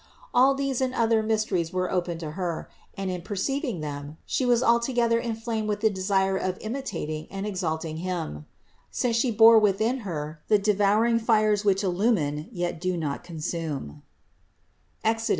All these and other mysteries were open to Her, and in perceiving them She was altogether inflamed with the desire of imitating and exalting Him, since She bore within Her the devouring fires which illumine yet do not consume (Exod.